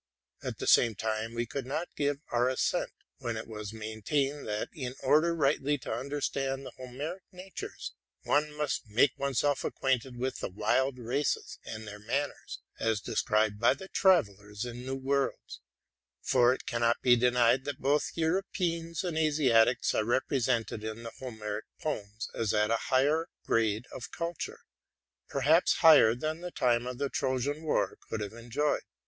At the same time we could not give our assent when it was main tained, that, in order rightly to understand the Homeric na tures, one must make one's self acquainted with the wild races and their manners, as described by the travellers in new worlds; for it cannot be denied that both Europeans and Asiatics are represented in the Homeric poems as at a higher grade of culture, — perhaps higher than the time of the 'Tro jan war could have enjoyed.